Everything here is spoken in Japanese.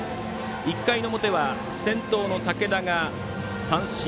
１回の表は先頭の武田が三振。